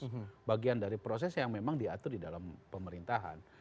itu bagian dari proses yang memang diatur di dalam pemerintahan